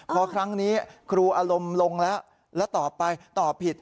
พอครั้งนี้ครูอารมณ์ลงแล้วแล้วตอบไปตอบผิด